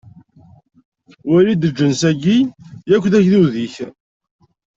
Wali-d lǧens-agi, yak d agdud-ik!